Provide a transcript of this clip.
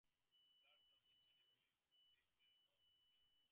Players are listed according to the date of their debut for the Heat.